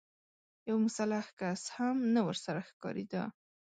يو مسلح کس هم نه ورسره ښکارېده.